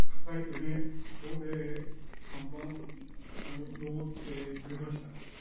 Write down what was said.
それで甲板上ってくれました。